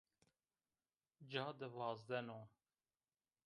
Ca de vazdano